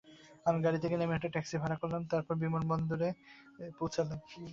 আমি গাড়ি থেকে নেমে একটা ট্যাক্সি ভাড়া করলাম, তারপর বিমানবন্দরে পৌঁছালাম।